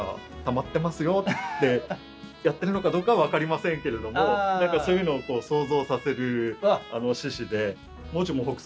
よってやってるのかどうかは分かりませんけれども何かそういうのを想像させる獅子で。